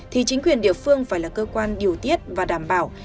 thì chính quyền địa phương phải là cơ quan điều tiết và đảm bảo